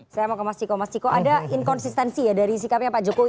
saya mau ke mas ciko mas ciko ada inkonsistensi ya dari sikapnya pak jokowi